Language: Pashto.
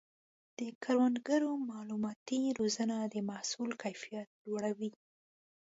د کروندګرو مالوماتي روزنه د محصول کیفیت لوړوي.